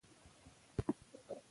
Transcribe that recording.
شاه شجاع دا سند لاسلیک کړ.